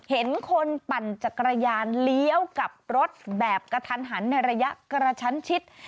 เห็นคนปั่นจักรยานเลี้ยวกลับรถแบบกระทันหันในระยะกระชั้นชิด